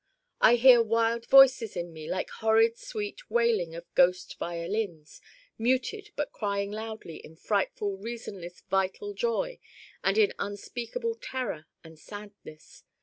I hear wild voices in Me like horrid sweet wailing of ghost violins, muted but crying loudly in frightful reasonless vital joy and in unspeakable terror and sadness.